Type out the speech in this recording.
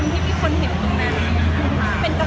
ไม่มีเพราะแพลนไม่ได้